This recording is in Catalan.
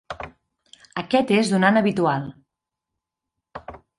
Aquest és donant habitual.